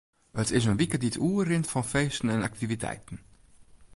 It is in wike dy't oerrint fan feesten en aktiviteiten.